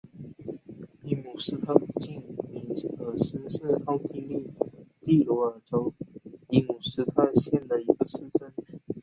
伊姆斯特附近米尔斯是奥地利蒂罗尔州伊姆斯特县的一个市镇。